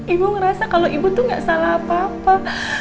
ibu ngerasa kalau ibu tuh gak salah apa apa